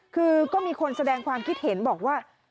คือก็มีคนแสดงความคิดเห็นบอกว่า